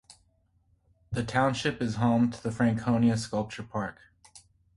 The township is home to the Franconia Sculpture Park.